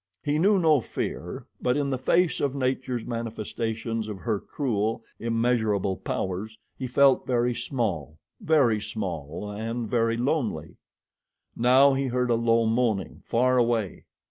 He knew no fear, but in the face of Nature's manifestations of her cruel, immeasurable powers, he felt very small very small and very lonely. Now he heard a low moaning, far away.